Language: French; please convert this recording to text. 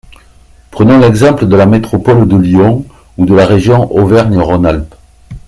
Prenons l’exemple de la métropole de Lyon, ou de la région Auvergne-Rhône-Alpes.